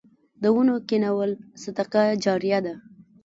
د ونو کینول صدقه جاریه ده